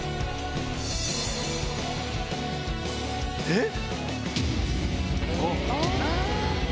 えっ⁉